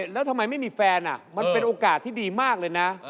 แล้วทำไมไม่มีแฟนมันเป็นโอกาสที่ดีมากเลยนะ